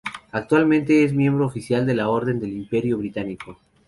Actualmente es miembro oficial de la Orden del Imperio Británico.